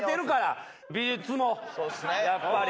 やっぱり。